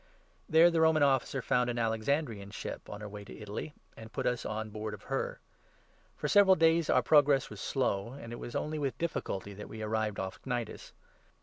There the Roman Officer 6 found an Alexandrian ship on her way to Italy, and put us on board of her. For several days our progress was slow, and it 7 was only with difficulty that we arrived off Cnidus.